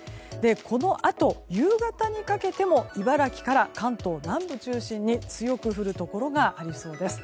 このあと夕方にかけても茨城から関東南部中心に強く降るところがありそうです。